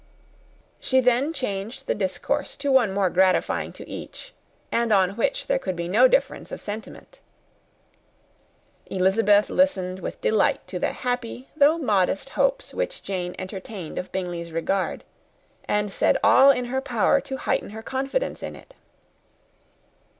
She then changed the discourse to one more gratifying to each, and on which there could be no difference of sentiment. Elizabeth listened with delight to the happy though modest hopes which Jane entertained of Bingley's regard, and said all in her power to heighten her confidence in it.